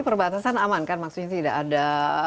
perbatasan aman kan maksudnya tidak ada